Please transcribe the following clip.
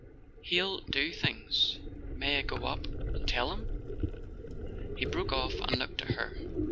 He'll do things— May I go up and tell him?" He broke off and looked at her.